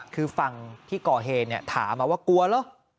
คือฝั่งที่ก่อเหตุถามมาว่ากลัวเหรอ